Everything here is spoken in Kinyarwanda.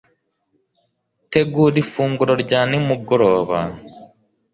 tegura ifunguro rya nimugoroba